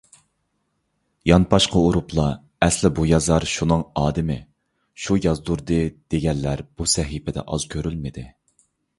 يانپاشقا ئۇرۇپلا ئەسلىي بۇ يازار شۇنىڭ ئادىمى، شۇ يازدۇردى، دېگەنلەر بۇ سەھىپىدە ئاز كۆرۈلمىدى.